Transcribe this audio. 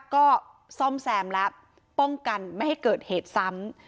ก็ซ่อมแซมแล้วป้องกันไม่ให้เกิดเหตุซ้ำ